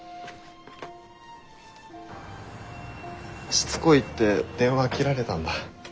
しつこいって電話切られたんだ。